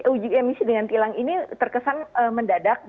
uji emisi dengan tilang ini terkesan mendadak